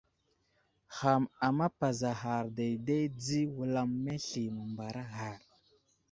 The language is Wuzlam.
Ham amapazaghar dayday di wulam masli məmbaraghar.